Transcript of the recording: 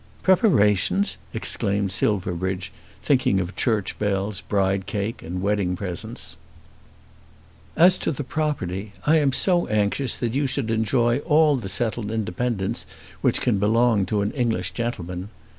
"Preparations!" exclaimed Silverbridge, thinking of church bells, bride cake, and wedding presents. "As to the property. I am so anxious that you should enjoy all the settled independence which can belong to an English gentleman.